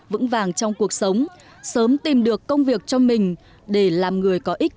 vững vàng trong cuộc sống sớm tìm được công việc cho mình để làm người có ích